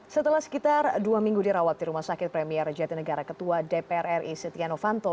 setelah sekitar dua minggu dirawat di rumah sakit premier jatinegara ketua dpr ri setia novanto